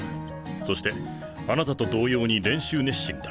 そしてあなたと同様に練習熱心だ。